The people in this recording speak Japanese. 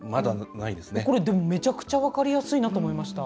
これ、でも、めちゃくちゃ分かりやすいなと思いました。